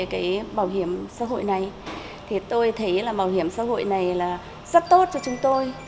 về bảo hiểm xã hội này tôi thấy bảo hiểm xã hội này rất tốt cho chúng tôi